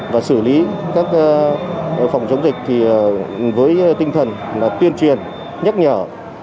và xử lý các phòng chống dịch thì với tinh thần tuyên truyền nhắc nhở